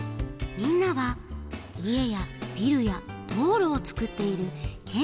みんなはいえやビルやどうろをつくっているけん